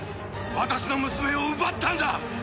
私の娘を奪ったんだ。